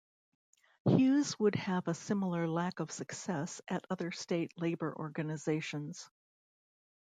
Hughes would have a similar lack of success at other state Labor organisations.